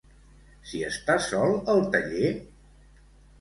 S'hi està sol al taller?